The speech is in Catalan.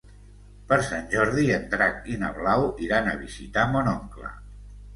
Per Sant Jordi en Drac i na Blau iran a visitar mon oncle.